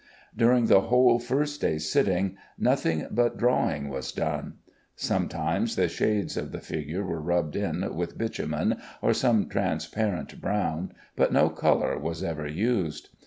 During the whole first day's sitting, nothing but drawing was done. Sometimes the shades of the figure were rubbed in with bitumen or some transparent brown, but no color was ever used.